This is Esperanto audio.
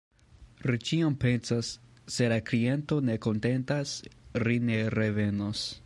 Ri ĉiam pensas "Se la kliento ne kontentas, ri ne revenos".